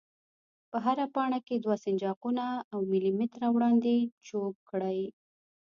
په هره پاڼه کې دوه سنجاقونه او ملي متره وړاندې چوګ کړئ.